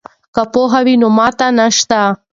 که پوهه وي نو ماتې نشته.